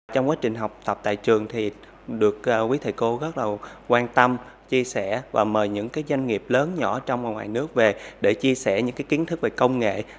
trong quá trình học tập tại trường thì được quý thầy cô rất là quan tâm chia sẻ và mời những doanh nghiệp lớn nhỏ trong và ngoài nước về để chia sẻ những kiến thức về công nghệ